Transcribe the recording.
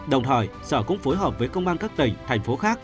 đồng thời sở cũng phối hợp với công an các tỉnh thành phố khác